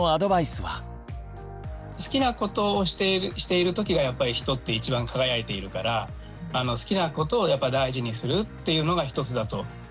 好きなことをしているときがやっぱり人って一番輝いているから好きなことを大事にするっていうのが一つだとやっぱ思いますね。